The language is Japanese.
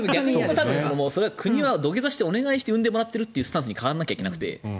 それは国は土下座して産んでもらってるというスタンスに変わらないといけなくて。